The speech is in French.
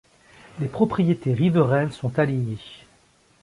Les propriétés riveraines sont alignées.